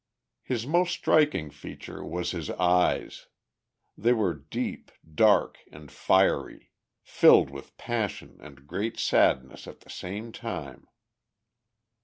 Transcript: His most striking feature was his eyes. They were deep, dark, and fiery, filled with passion and great sadness at the same time.